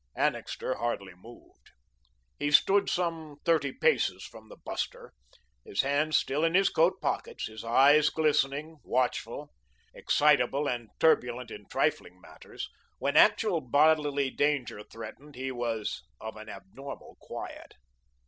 Annixter hardly moved. He stood some thirty paces from the buster, his hands still in his coat pockets, his eyes glistening, watchful. Excitable and turbulent in trifling matters, when actual bodily danger threatened he was of an abnormal quiet.